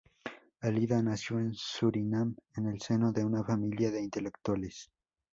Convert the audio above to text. Alida nació en Surinam en el seno de una familia de intelectuales.